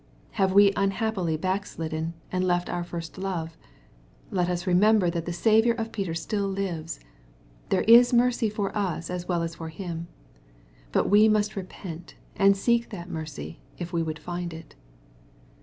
— Have we unhappily backslidden, and left our first love ? Let us remember that the Saviour of Peter still lives. There is mercy for us as well as for him. But we must repent, and seek that mercy, if we would find it.